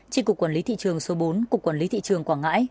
tri cục quản lý thị trường số bốn cục quản lý thị trường quảng ngãi